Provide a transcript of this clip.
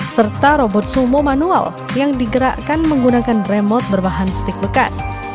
serta robot sumo manual yang digerakkan menggunakan remote berbahan stik bekas